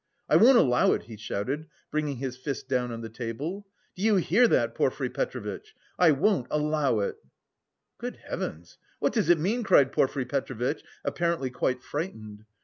"I won't allow it!" he shouted, bringing his fist down on the table. "Do you hear that, Porfiry Petrovitch? I won't allow it." "Good heavens! What does it mean?" cried Porfiry Petrovitch, apparently quite frightened.